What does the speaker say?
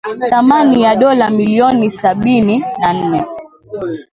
thamani ya dola milioni sabini na nne